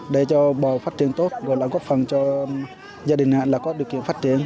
để cho bò phát triển tốt rồi là góp phần cho gia đình có điều kiện phát triển